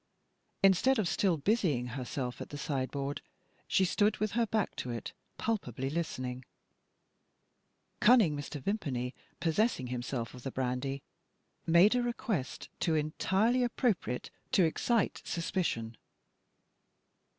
Instead of still busying herself at the sideboard, she stood with her back to it, palpably listening. Cunning Mr. Vimpany, possessing himself of the brandy, made a request too entirely appropriate to excite suspicion.